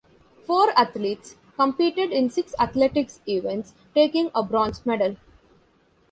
Four athletes competed in six athletics events, taking a bronze medal.